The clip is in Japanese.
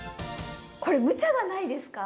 これむちゃじゃないですか？